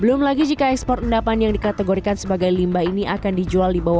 belum lagi jika ekspor endapan yang dikategorikan sebagai limbah ini akan dijual di bawah